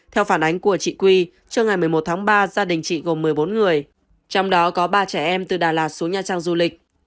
theo phản ánh của chị quy trưa ngày một mươi một tháng ba gia đình chị gồm một mươi bốn người trong đó có ba trẻ em từ đà lạt xuống nha trang du lịch